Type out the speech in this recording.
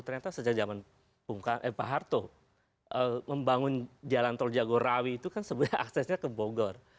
ternyata sejak zaman pak harto membangun jalan tol jagorawi itu kan sebenarnya aksesnya ke bogor